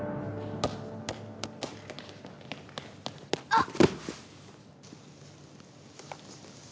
あっ！